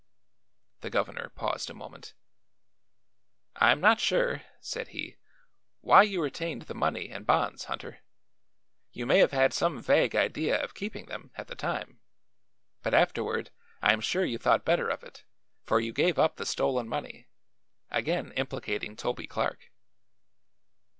The governor paused a moment. "I am not sure," said he, "why you retained the money and bonds, Hunter. You may have had some vague idea of keeping them, at the time; but afterward I am sure you thought better of it, for you gave up the stolen money, again implicating Toby Clark."